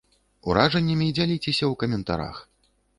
Уражаннямі дзяліцеся ў каментарах.